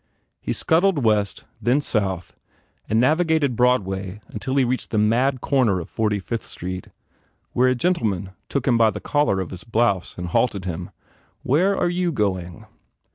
He scuttled west, then south and navigated Broadway until he reached the mad corner of 45th Street where a gentleman took him by the collar of his blouse and halted him. "Where are you going?"